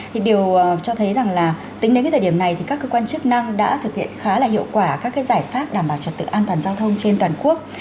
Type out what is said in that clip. thì điều cho thấy rằng là tính đến cái thời điểm này thì các cơ quan chức năng đã thực hiện khá là hiệu quả các cái giải pháp đảm bảo trật tự an toàn giao thông trên toàn quốc